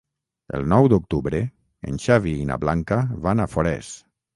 El nou d'octubre en Xavi i na Blanca van a Forès.